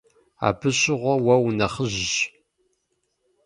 Абы щыгъуэ уэ унэхъыжьщ.